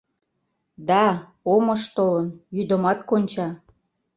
Да, омыш толын, йӱдымат конча.